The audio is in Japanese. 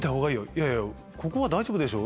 「いやいやここは大丈夫でしょ」